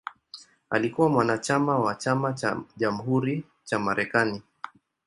Alikuwa mwanachama wa Chama cha Jamhuri cha Marekani.